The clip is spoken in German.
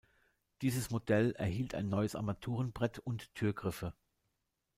Dieses Modell erhielt ein neues Armaturenbrett und Türgriffe.